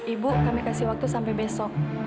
ibu kami kasih waktu sampai besok